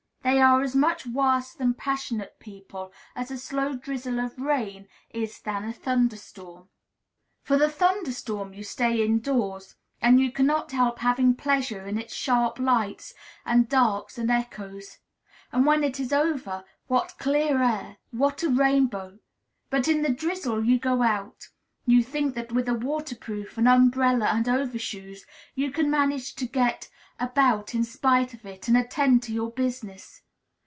They are as much worse than passionate people as a slow drizzle of rain is than a thunder storm. For the thunder storm, you stay in doors, and you cannot help having pleasure in its sharp lights and darks and echoes; and when it is over, what clear air, what a rainbow! But in the drizzle, you go out; you think that with a waterproof, an umbrella, and overshoes, you can manage to get about in spite of it, and attend to your business.